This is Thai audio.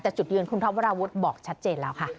แต่จุดยืนคุณท็อปวราวุฒิบอกชัดเจนแล้วค่ะ